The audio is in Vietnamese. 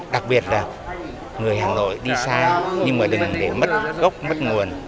đặc biệt là người hà nội đi xa nhưng mà đừng để mất gốc mất nguồn